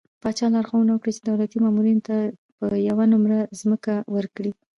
پاچا لارښوونه وکړه چې د دولتي مامورينو ته به يوه نمره ځمکه ورکړي .